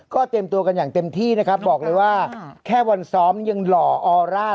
เตรียมตัวกันอย่างเต็มที่นะครับบอกเลยว่าแค่วันซ้อมยังหล่อออร่า